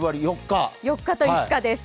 ４日と５日です。